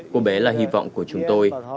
cô bé là hy vọng của chúng tôi